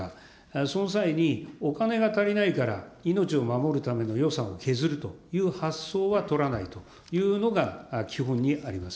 その際に、お金が足りないから、命を守るための予算を削るという発想は取らないというのが基本にあります。